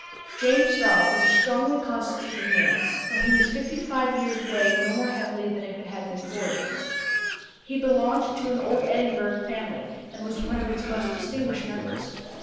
James Starr was a strongly constituted man, on whom his fifty five years weighed no more heavily than if they had been forty. He belonged to an old Edinburgh family, and was one of its most distinguished members.